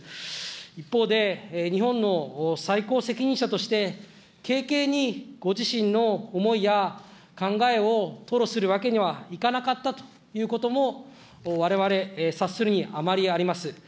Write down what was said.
一方で、日本の最高責任者として、軽々にご自身の思いや考えを吐露するわけにはいかなかったということも、われわれ、察するにあまりあります。